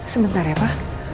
sebentar ya pa